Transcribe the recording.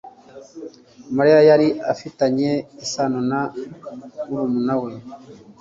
Mariya yari afitanye isano na murumuna we